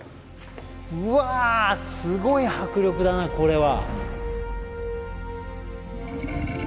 うわすごい迫力だなこれは。